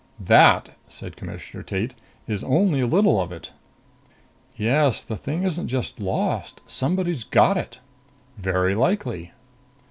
"That," said Commissioner Tate, "is only a little of it." "Yes, the thing isn't just lost. Somebody's got it." "Very likely."